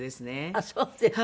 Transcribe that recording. あっそうですか。